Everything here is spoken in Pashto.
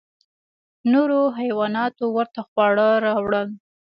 نورو حیواناتو ورته خواړه راوړل.